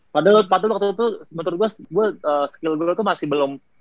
padahal waktu itu sebetulnya gue skill gue masih belum